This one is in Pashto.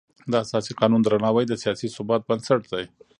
د اساسي قانون درناوی د سیاسي ثبات بنسټ دی